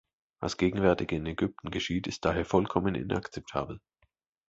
Was gegenwärtig in Ägypten geschieht, ist daher vollkommen inakzeptabel.